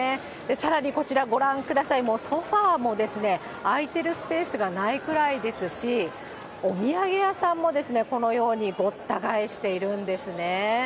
さらにこちら、ご覧ください、もうソファも空いてるスペースがないくらいですし、お土産屋さんもこのようにごった返しているんですね。